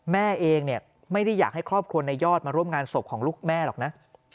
แม่เองเนี่ยไม่ได้อยากให้ครอบครัวในยอดมาร่วมงานศพของลูกแม่หรอกนะ